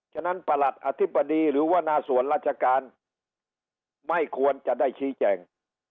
ฉะนั้นประหลัดอธิบดีหรือว่าหน้าส่วนราชการไม่ควรจะได้ชี้แจง